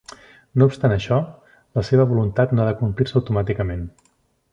No obstant això, la seva voluntat no ha de complir-se automàticament.